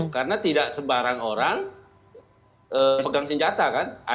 karena tidak sebarang orang pegang senjata kan